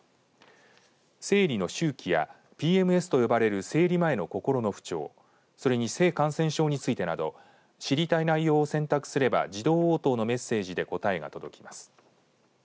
生理の周期やＰＭＳと呼ばれる生理前の心の不調それに性感染症についてなど知りたい内容を選択すれば自動応答のメッセージで答えが届きます。